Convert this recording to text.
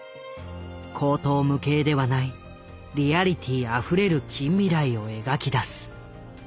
荒唐無稽ではないリアリティーあふれる近未来を描きだす。